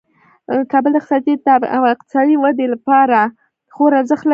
کابل د افغانستان د اقتصادي ودې لپاره خورا ارزښت لري.